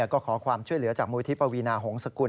ก็ขอความช่วยเหลือจากมูลที่ปวีนาหงษกุล